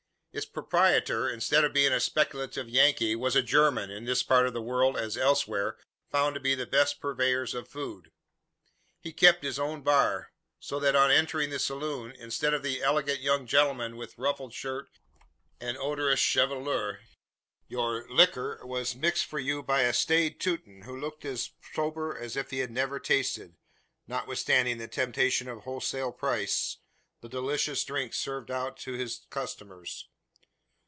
Its proprietor, instead of being a speculative Yankee, was a German in this part of the world, as elsewhere, found to be the best purveyors of food. He kept his own bar; so that on entering the saloon, instead of the elegant young gentleman with ruffled shirt and odorous chevelure, your "liquor" was mixed for you by a staid Teuton, who looked as sober as if he never tasted notwithstanding the temptation of wholesale price the delicious drinks served out to his customers.